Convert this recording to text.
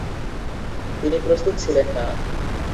তিনি প্রস্তুত ছিলেন না।